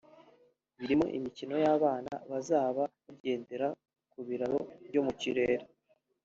birimo imikino y’abana bazaba bagendera ku biraro byo mu kirere